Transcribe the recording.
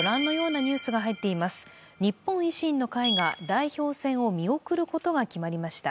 日本維新の会が代表選を見送ることが決まりました。